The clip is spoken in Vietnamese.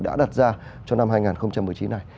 đã đặt ra cho năm hai nghìn một mươi chín này